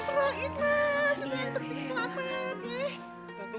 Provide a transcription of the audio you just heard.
serahin serahin serahin